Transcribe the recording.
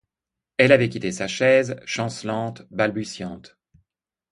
Elle avait quitté sa chaise, chancelante, balbutiante.